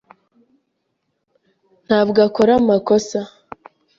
ntabwo akora amakosa.